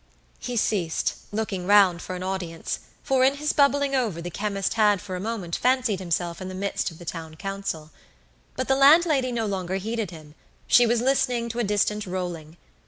He ceased, looking round for an audience, for in his bubbling over the chemist had for a moment fancied himself in the midst of the town council. But the landlady no longer heeded him; she was listening to a distant rolling.